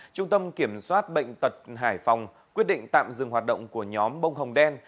trung tâm kiểm soát bệnh tật hải phòng quyết định tạm dừng hoạt động của nhóm bông hồng đen